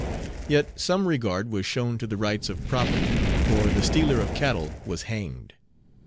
Yet some regard was shown to the rights of property, for the stealer of cattle was hanged.